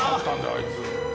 あいつ。